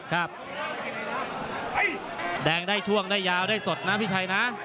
ครับแดงได้ช่วงได้ยาวได้สดนะพี่ชัยนะ